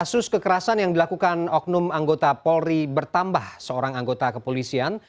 kasus kekerasan yang dilakukan oknum anggota polri bertambah seorang anggota kepolisian